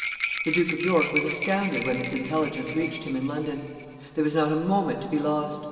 ] The Duke of York was astounded when this intelligence reached him in London. There was not a moment to be lost.